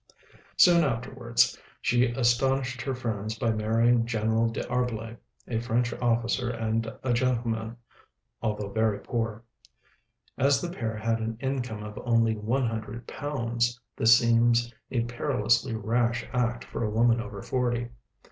Soon afterwards she astonished her friends by marrying General D'Arblay, a French officer and a gentleman, although very poor. As the pair had an income of only one hundred pounds, this seems a perilously rash act for a woman over forty.